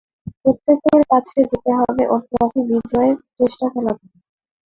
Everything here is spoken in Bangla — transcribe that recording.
প্রত্যেকের কাছে যেতে হবে ও ট্রফি বিজয়ের চেষ্টা চালাতে হবে।